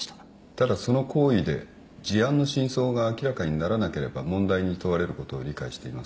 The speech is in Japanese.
ただその行為で事案の真相が明らかにならなければ問題に問われることを理解していますね。